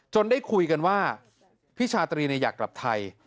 ได้คุยกันว่าพี่ชาตรีอยากกลับไทย